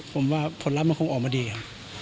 ผมว่าผลลัพธ์มันคงออกมาดีครับ